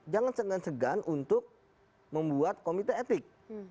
jangan segan segan untuk membuat komite etik